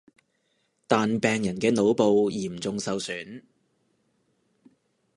但病人嘅腦部嚴重受損